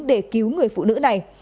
để cứu người phụ nữ này